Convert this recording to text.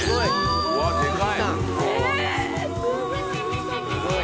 うわでかい。